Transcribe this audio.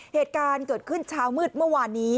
เหตุการณ์เกิดขึ้นเช้ามืดเมื่อวานนี้